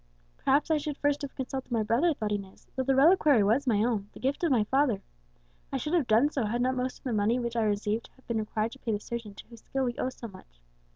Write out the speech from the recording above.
"Perhaps I should first have consulted my brother," thought Inez; "though the reliquary was my own, the gift of my father. I should have done so, had not most of the money which I received been required to pay the surgeon to whose skill we owe so much.